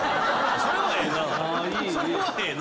それはええな。